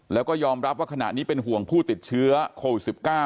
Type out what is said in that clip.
แล้วก็ยอมรับว่าขณะนี้เป็นห่วงผู้ติดเชื้อโควิด๑๙